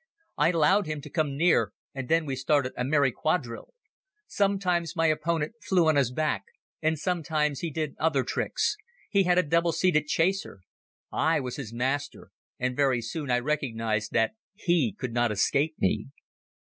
I allowed him to come near and then we started a merry quadrille. Sometimes my opponent flew on his back and sometimes he did other tricks. He had a double seated chaser. I was his master and very soon I recognized that he could not escape me.